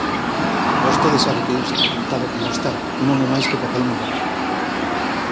Vostede sabe que isto, tal e como está, non é máis que papel mollado.